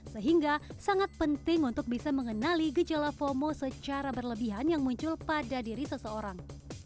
sehingga sangat penting untuk bisa mengenali gejala fomo secara berlebihan yang muncul pada diri seseorang